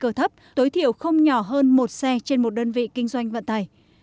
có nguy cơ thấp tối thiểu không nhỏ hơn một xe trên một đơn vị kinh doanh vận tải